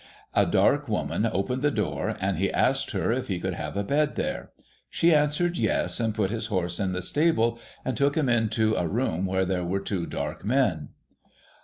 A dark woman opened the door, and he asked her if he could have a bed there. She answered yes, and put his horse in the stable, and took him into a room where there were two dark men.